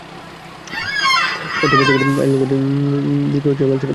অর্থ পাচারবিরোধী আইন লঙ্ঘনের অভিযোগে এএমএলসির প্রাথমিক শুনানিতে তিনি অনুপস্থিত ছিলেন।